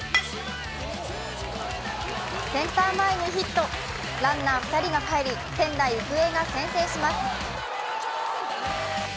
センター前にヒット、ランナー２人が帰り仙台育英が先制します。